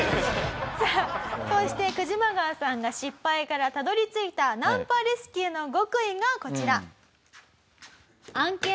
さあこうしてクジマガワさんが失敗からたどり着いたナンパレスキューの極意がこちら。